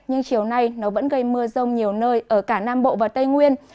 nhưng chiều nay nó vẫn gây mưa rông nhiều nơi ở cả nam bộ và tây nguyên